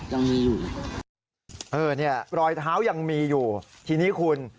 ยังมีอยู่เออเนี่ยรอยเท้ายังมีอยู่ทีนี้คุณ